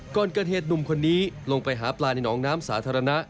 ก่อนเกิดเหตุหนุ่มคนนี้ลงไปหาปลาในหนองน้ำสาธารณะ